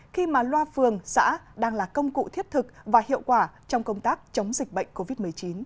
khi mà loa phường xã đang là công cụ thiết thực và hiệu quả trong công tác chống dịch bệnh covid một mươi chín